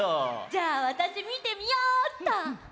じゃあわたしみてみよっと。